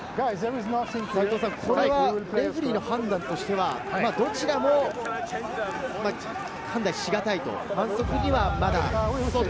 これはレフェリーの判断としては、どちらも判断しがたいと。